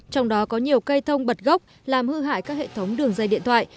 trong đó có nhiều cây thông bật gốc làm hư hại các hệ thống đường dây điện thoại